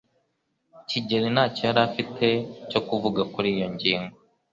Kigeri ntacyo yari afite cyo kuvuga kuri iyo ngingo.